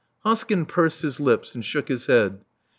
*' Hoskyn pursed his lips, and shook his head.